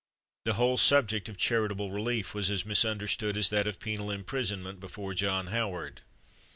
The whole subject of charitable relief was as misunderstood as that of penal imprisonment before John Howard.